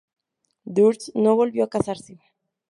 Durst no volvió a casarse